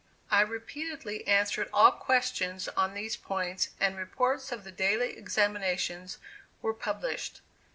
I repeatedly answered all questions on these points; and reports of the daily examinations were published.